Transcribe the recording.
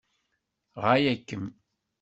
Ɣaya-kem.